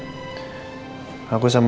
pada tutup dong ya